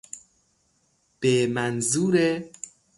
به منظور...